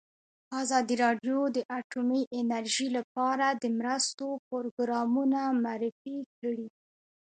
ازادي راډیو د اټومي انرژي لپاره د مرستو پروګرامونه معرفي کړي.